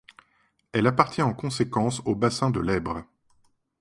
Elle appartient en conséquence au bassin de l'Èbre.